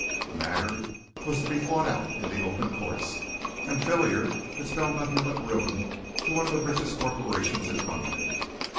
The matter was to be fought out in the open courts, and failure could spell nothing but ruin to one of the richest corporations in London.